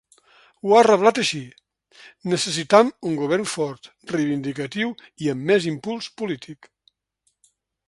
Ho ha reblat així: ‘Necessitam un govern fort, reivindicatiu i amb més impuls polític.’